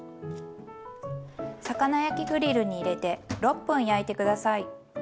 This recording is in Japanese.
魚焼きグリルに入れて６分焼いて下さい。